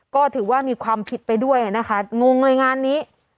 ก็ถือว่ามีความผิดไปด้วยนะคะงงเลยงานนี้